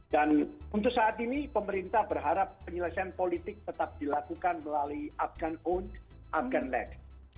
dan untuk saat ini pemerintah berharap penyelesaian politik tetap dilakukan melalui afghan owned afghan led